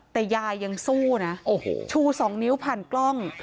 แต่ยายยังสู้นะโอ้โหชู๒นิ้วผ่านกล้อง